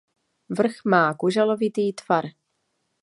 Vrch má kuželovitý tvar.